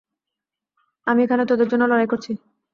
আমি এখানে তোদের জন্য লড়াই করছি।